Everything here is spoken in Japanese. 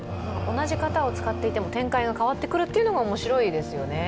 同じ型を使っていても展開が変わってくるというのが面白いですよね。